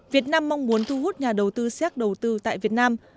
việt nam mong muốn thu hút nhà đầu tư xác đầu tư tại việt nam